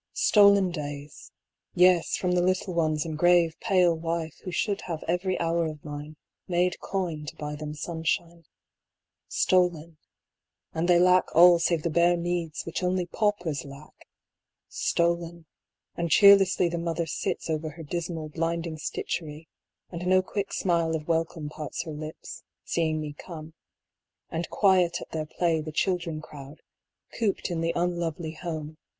Stolen days ; yes, from the little ones and grave pale wife who should have every hour of mine made coin to buy them sunshine. Stolen ; and they lack all save the bare needs which only paupers lack : stolen; and cheerlessly the mother sits over her dismal blinding stitchery, and no quick smile of welcome parts her lips, seeing me come; and quiet at their play the children crowd, cooped in the unlovely home, 120 AN INVENTOR.